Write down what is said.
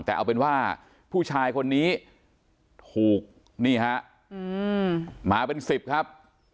แต่เอาเป็นว่าผู้ชายคนนี้ถูกนี่ฮะมาเป็น๑๐ครับ